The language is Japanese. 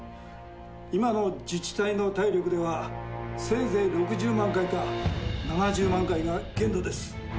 今の自治体の体力では、せいぜい６０万回か７０万回が限度です。